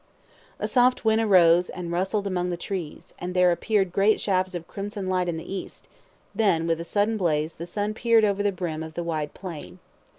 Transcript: A soft wind arose, and rustled among the trees, and there appeared great shafts of crimson light in the east; then, with a sudden blaze, the sun peered over the brim of the wide plain.